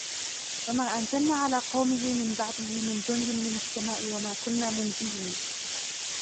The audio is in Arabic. وَمَا أَنْزَلْنَا عَلَى قَوْمِهِ مِنْ بَعْدِهِ مِنْ جُنْدٍ مِنَ السَّمَاءِ وَمَا كُنَّا مُنْزِلِينَ